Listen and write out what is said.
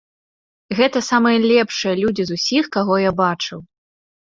Гэта самыя лепшыя людзі з усіх, каго я бачыў.